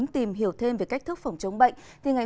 trên gia súc như hiện nay